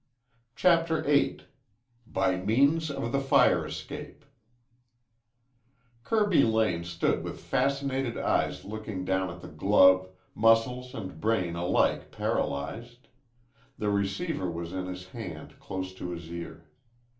CHAPTER VIII BY MEANS OF THE FIRE ESCAPE Kirby Lane stood with fascinated eyes looking down at the glove, muscles and brain alike paralyzed. The receiver was in his hand, close to his ear.